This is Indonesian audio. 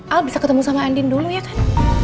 al bisa ketemu sama andin dulu ya kan